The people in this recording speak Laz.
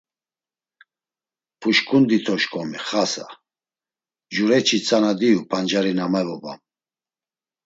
Puşǩundi to şǩomi Xasa, cureçi tzana diu pancari na mevobam.